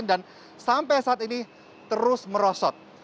dan sampai saat ini terus merosot